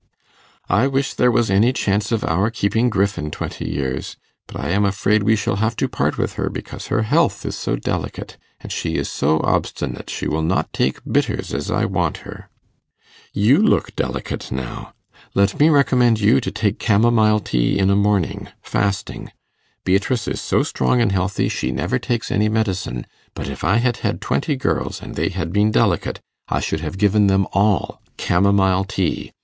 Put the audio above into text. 'I wish there was any chance of our keeping Griffin twenty years. But I am afraid we shall have to part with her because her health is so delicate; and she is so obstinate, she will not take bitters as I want her. You look delicate, now. Let me recommend you to take camomile tea in a morning, fasting. Beatrice is so strong and healthy, she never takes any medicine; but if I had had twenty girls, and they had been delicate, I should have given them all camomile tea.